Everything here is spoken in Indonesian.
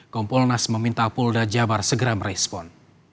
kompol nas meminta polda jabar segera merespon